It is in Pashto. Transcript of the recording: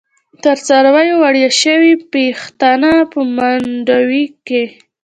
تر څارویو وړیاشوی، پیښتنه په منډوی کی